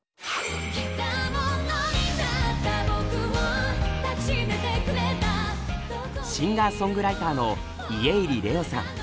獣になった僕を抱き締めてくれたシンガーソングライターの家入レオさん。